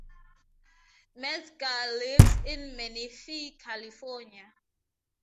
Metzger lives in Menifee, California.